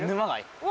うわ！